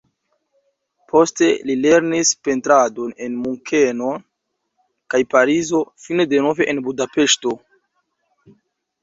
Poste li lernis pentradon en Munkeno kaj Parizo, fine denove en Budapeŝto.